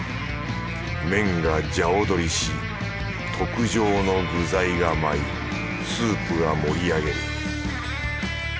麺がじゃ踊りし特上の具材が舞いスープが盛り上げる。